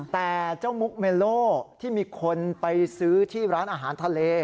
แต่เจ้ามุกเมโลที่มีคนไปซื้อที่ร้านอาหารทะเล